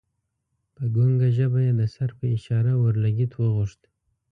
په ګنګه ژبه یې د سر په اشاره اورلګیت وغوښت.